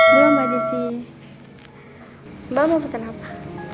belum mbak jesi mbak mau pesen apa